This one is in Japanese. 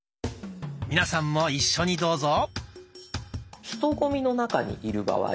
皆さんも一緒にどうぞ。